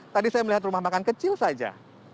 tadi saya melihat rumah makan kecil saja